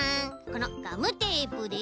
このガムテープで。